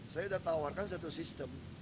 saya sudah tawarkan satu sistem